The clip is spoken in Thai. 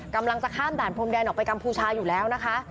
กำลังจะข้ามด่านพรมแดนออกไปกัมพูชาอยู่แล้วนะคะ